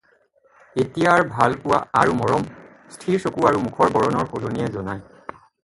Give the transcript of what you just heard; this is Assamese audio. এতিয়াৰ ভালপোৱা আৰু মৰম স্থিৰ চকু আৰু মুখৰ বৰণ সলনিয়ে জনায়।